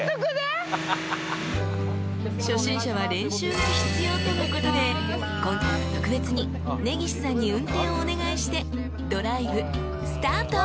［初心者は練習が必要とのことで今回は特別に根岸さんに運転をお願いしてドライブスタート！］